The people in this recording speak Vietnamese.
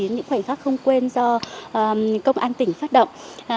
những khoảnh khắc không quên do công an tỉnh phát động